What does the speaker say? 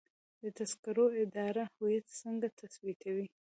د تذکرو اداره هویت څنګه تثبیتوي؟